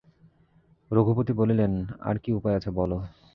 রঘুপতি বলিলেন, আর কী উপায় আছে বলো।